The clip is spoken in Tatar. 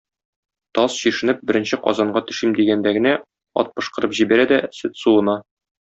Таз, чишенеп, беренче казанга төшим дигәндә генә, ат пошкырып җибәрә дә, сөт суына.